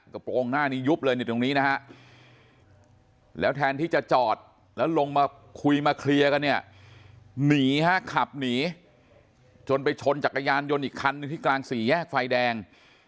กระโปรงหน้านี้ยุบเลยนี่ตรงนี้นะฮะแล้วแทนที่จะจอดแล้วลงมาคุยมาเคลียร์กันเนี่ยหนีฮะขับหนีจนไปชนจักรยานยนต์อีกคันหนึ่งที่กลางสี่แยกไฟแดง